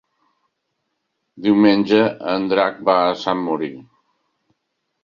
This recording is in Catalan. Diumenge en Drac va a Sant Mori.